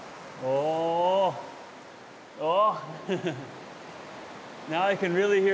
おお。